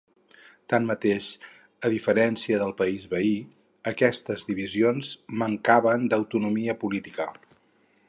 Tanmateix, a diferència del país veí, aquestes divisions mancaven d'autonomia política.